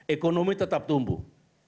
ekonomi tetap tumbuh